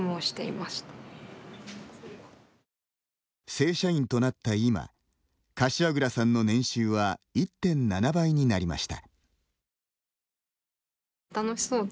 正社員となった今柏倉さんの年収は１．７倍になりました。